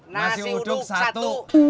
nasi uduk satu